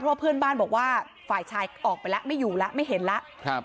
เพราะเพื่อนบ้านบอกว่าฝ่ายชายออกไปแล้วไม่อยู่แล้วไม่เห็นแล้ว